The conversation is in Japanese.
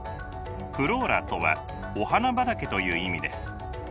フローラとはお花畑という意味です。